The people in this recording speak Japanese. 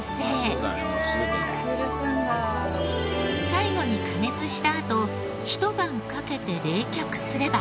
最後に加熱したあとひと晩かけて冷却すれば。